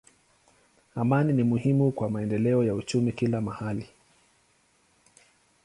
Amani ni muhimu kwa maendeleo ya uchumi kila mahali.